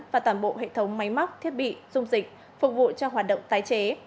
và toàn bộ hệ thống máy móc thiết bị dung dịch phục vụ cho hoạt động tái chế